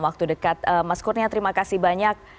waktu dekat mas kurnia terima kasih banyak